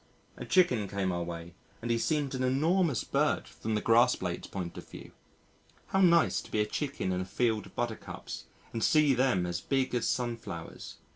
A chicken came our way and he seemed an enormous bird from the grass blade's point of view. How nice to be a chicken in a field of Buttercups and see them as big as Sunflowers!